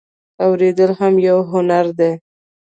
اوریدل هم یو هنر دی